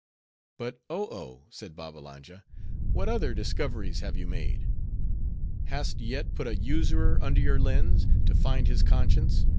"But Oh Oh," said Babbalanja, "what other discoveries have you made? Hast yet put a usurer under your lens, to find his conscience?